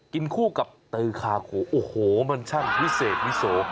กินคู่กับตือคาโขโอ้โหมันช่างวิเศษวิโส